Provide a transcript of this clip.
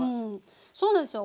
そうなんですよ。